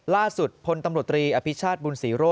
ล่าสุดพลตำรวจรีอภิชชาติบุญศรีโรศ